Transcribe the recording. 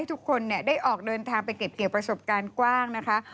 ทุกคนได้ออกเดินทางไปเก็บเกี่ยวประสบการณ์กว้างนะคะ